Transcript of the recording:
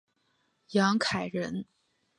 杨凯人。